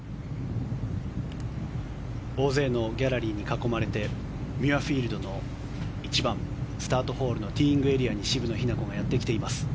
大勢のギャラリーに囲まれてミュアフィールドの１番、スタートホールのティーイングエリアに渋野日向子がやってきています。